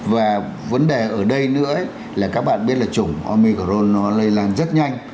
và vấn đề ở đây nữa là các bạn biết là chủng omicrone nó lây lan rất nhanh